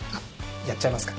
やっちゃいますか。